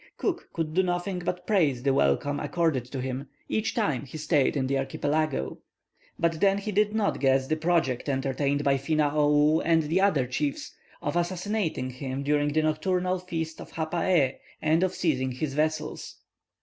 Cook could do nothing but praise the welcome accorded to him, each time he stayed in the archipelago. But then he did not guess the project entertained by Finaou, and the other chiefs, of assassinating him during the nocturnal feast of Hapaee, and of seizing his vessels.